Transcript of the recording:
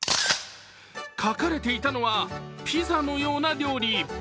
描かれていたのはピザのような料理。